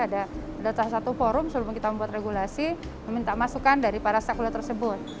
ada salah satu forum sebelum kita membuat regulasi meminta masukan dari para stakeholder tersebut